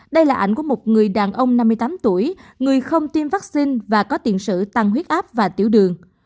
đây là ảnh của một người đàn ông năm mươi tám tuổi người không tiêm vaccine và có tiền sử tăng huyết áp và tiểu đường